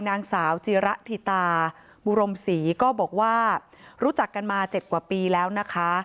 นางสาวจีระธิตาบุรมศรีก็บอกว่ารู้จักกันมา๗กว่าปีแล้วนะคะ